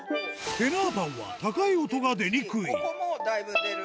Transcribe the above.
テナーパンは高い音が出にく